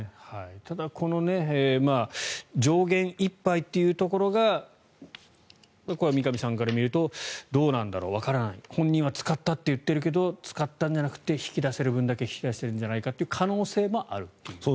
ただ、この上限いっぱいというところがここは三上さんから見るとどうなんだろう、わからない本人は使ったと言っているけど使ったんじゃなくて引き出せる分だけ引き出しているんじゃないかという可能性があると。